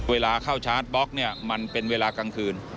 เวลาเข้าชาร์จบล็อกเนี่ยมันเป็นเวลากลางคืน